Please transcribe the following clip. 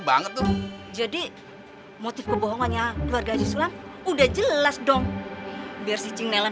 banget tuh jadi motif kebohongannya keluarga disulang udah jelas dong biar si cing nelan